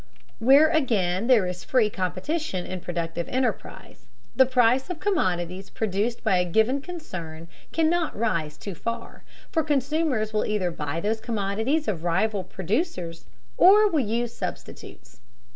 Where, again, there is free competition in productive enterprise, the price of commodities produced by a given concern cannot rise too far, for consumers will either buy those commodities of rival producers, or will use substitutes.